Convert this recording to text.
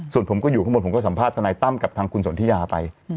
ส่วนผมก็อยู่ข้างบนผมก็สัมภาษณายตั้มกับทางคุณสนทิยาไป